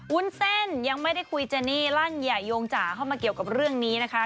วุ้นเส้นยังไม่ได้คุยเจนี่ลั่นอย่าโยงจ๋าเข้ามาเกี่ยวกับเรื่องนี้นะคะ